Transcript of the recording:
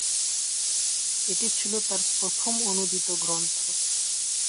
এটি ছিল তার প্রথম অনূদিত গ্রন্থ।